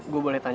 gue boleh tanya